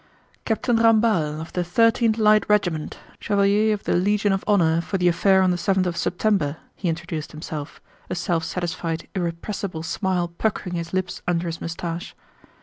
"Captain Ramballe, of the 13th Light Regiment, Chevalier of the Legion of Honor for the affair on the seventh of September," he introduced himself, a self satisfied irrepressible smile puckering his lips under his mustache.